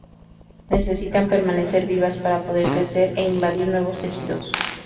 Necesitan permanecer vivas para poder crecer e invadir nuevos tejidos.